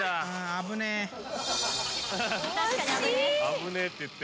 「危ねえ」って言ってる！